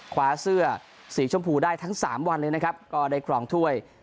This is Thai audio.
คว้าเสื้อสีชมพูได้ทั้ง๓วันเลยนะครับก็ได้ครองถ้วย